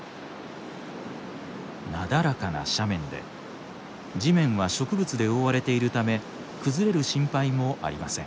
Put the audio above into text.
なだらかな斜面で地面は植物で覆われているため崩れる心配もありません。